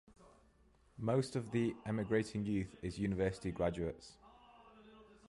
Most of the emigrating youth is university graduates.